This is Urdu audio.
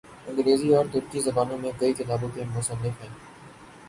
انگریزی اور ترکی زبانوں میں کئی کتابوں کے مصنف ہیں۔